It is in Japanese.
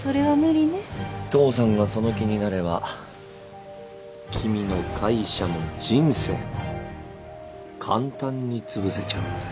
父さんがその気になれば君の会社も人生も簡単につぶせちゃうんだよ。